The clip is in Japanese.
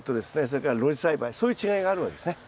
それから露地栽培そういう違いがあるわけですね。